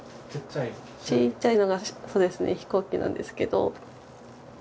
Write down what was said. ちっちゃいのがそうですね飛行機なんですけど。